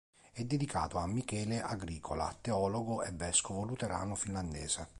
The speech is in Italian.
È dedicato a Michele Agricola, teologo e vescovo luterano finlandese.